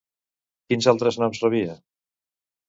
Quins altres noms rebia?